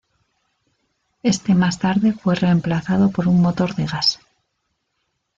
Este más tarde fue reemplazado por un motor de gas.